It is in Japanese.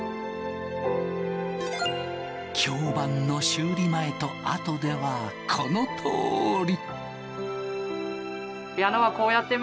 響板の修理前と後ではこのとおり。